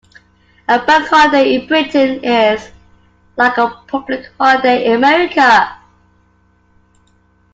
A Bank Holiday in Britain is like a public holiday in America